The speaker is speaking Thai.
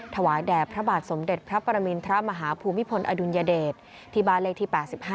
ถวายแด่พระบาทสมเด็จพระปรมินทรมาฮภูมิพลอดุลยเดชที่บ้านเลขที่๘๕